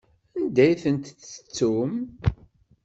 Anda i tent-tettum?